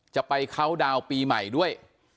จะไปเค้าดาวปีใหม่ด้วย